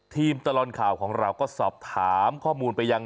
ตลอดข่าวของเราก็สอบถามข้อมูลไปยัง